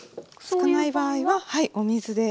少ない場合ははいお水で。